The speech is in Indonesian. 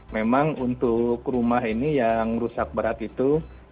memang untuk rumah ini yang rusak berat itu